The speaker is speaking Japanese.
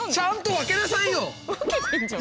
分けてんじゃん。